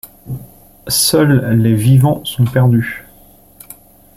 Seuls les vivants sont perdus.